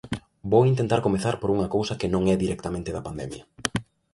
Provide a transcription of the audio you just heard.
Vou intentar comezar por unha cousa que non é directamente da pandemia.